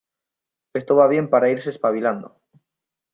Esto va bien para irse espabilando.